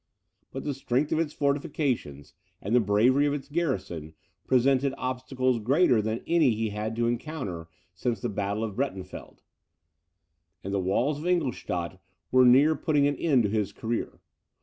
But the strength of its fortifications, and the bravery of its garrison, presented obstacles greater than any he had had to encounter since the battle of Breitenfeld, and the walls of Ingolstadt were near putting an end to his career.